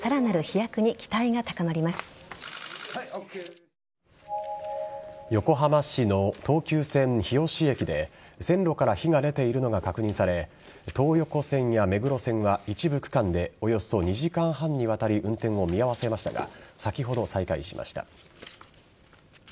来場所からの横浜市の東急線・日吉駅で線路から火が出ているのが確認され東横線や目黒線は一部区間でおよそ２時間半にわたり運転を見合わせましたが先ほど再開しました。